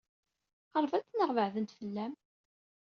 Qeṛbent neɣ beɛdent fell-am?